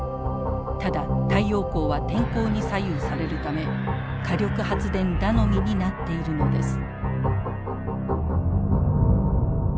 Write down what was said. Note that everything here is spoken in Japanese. ただ太陽光は天候に左右されるため火力発電頼みになっているのです。